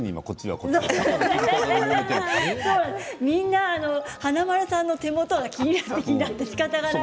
みんな、華丸さんの手元が気になって気になってしかたない。